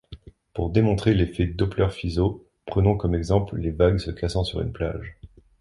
Pour démontrer l'effet Doppler-Fizeau, prenons comme exemple les vagues se cassant sur une plage.